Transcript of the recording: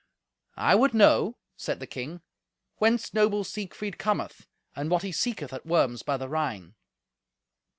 "I would know," said the king, "whence noble Siegfried cometh, and what he seeketh at Worms by the Rhine."